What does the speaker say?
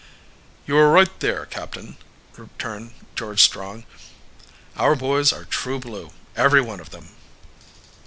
"You are right there, captain," returned George Strong. "Our boys are true blue, every one of them."